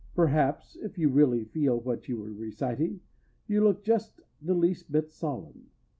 Perhaps (if you really feel what you were reciting) you look just the least bit solemn.